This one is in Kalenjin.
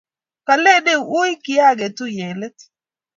Kaleni uni kiaketuye eng' let